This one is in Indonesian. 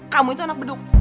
kamu itu anak beduk